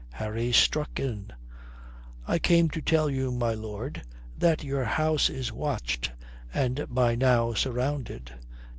Harry struck in, "I came to tell you, my lord, that your house is watched, and by now surrounded."